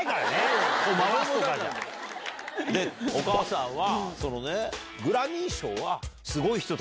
お母さんは。